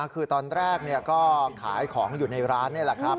คือตอนแรกก็ขายของอยู่ในร้านนี่แหละครับ